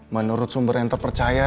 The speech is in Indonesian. menurut sumber yang terpercaya